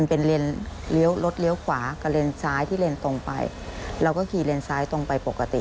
ก็ล้อเล็กนึกว่าจะใหม่โบราณอลิเวาส์พิมพ์